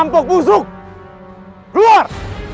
rampok busuk luar